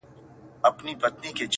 د سوو څړیکو د لمبو له تاوه